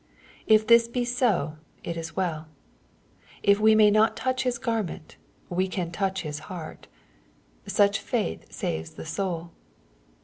If this be so, it is welL If we may not touch His garment, we can touch His heart Such faith saves the soul.